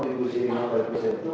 dan lima oleh yang diserti itu